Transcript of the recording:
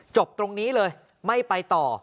จบตรงนี้เลยไม่ไปต่อ